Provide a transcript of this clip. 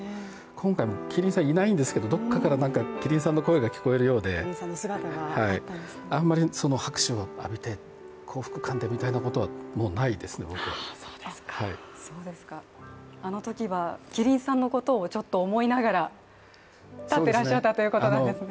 今回、希林さんいないんですけど、どこかから希林さんの声が聞こえるようで、あんまり拍手を浴びて幸福感でみたいなことは、もうないです、僕はあのときは希林さんのことを思いながら立ってらっしゃったんですね。